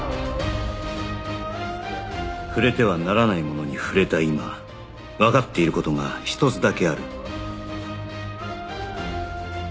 触れてはならないものに触れた今わかっている事が一つだけある